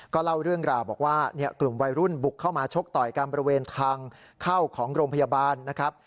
เล่าเรื่องราวบอกว่ากลุ่มวัยรุ่นบุกเข้ามาชกต่อยกันบริเวณทางเข้าของโรงพยาบาลนะครับ